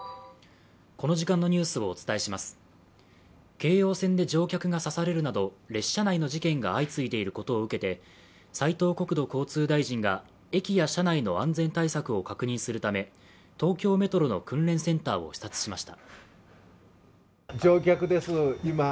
京王線で乗客が刺されるなど列車内の事件が相次いでいることを受けて、斉藤国土交通大臣が駅や車内の安全対策を確認するため東京メトロの訓練センターを視察しました。